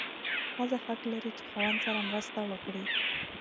ښځه حق لري چې خاوند سره مرسته وکړي.